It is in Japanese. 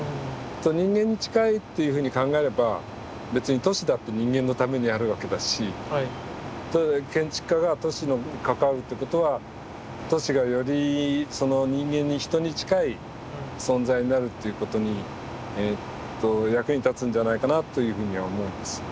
人間に近いっていうふうに考えれば別に都市だって人間のためにあるわけだし建築家が都市に関わるってことは都市がよりその人間に人に近い存在になるっていうことに役に立つんじゃないかなというふうには思うんですよね。